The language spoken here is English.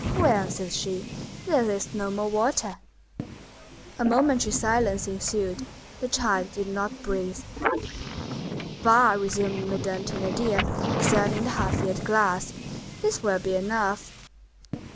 "Well," said she, "there is no more water!" A momentary silence ensued. The child did not breathe. "Bah!" resumed Madame Thénardier, examining the half filled glass, "this will be enough."